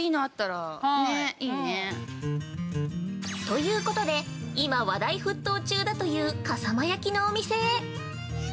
◆ということで今、話題沸騰中だという笠間焼のお店へ。